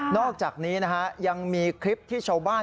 อกจากนี้นะฮะยังมีคลิปที่ชาวบ้าน